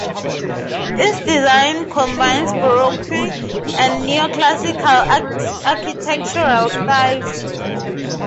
Its design combines Baroque and neoclassical architectural styles.